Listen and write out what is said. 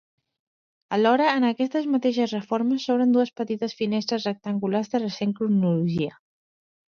Alhora, en aquestes mateixes reformes, s'obren dues petites finestres rectangulars de recent cronologia.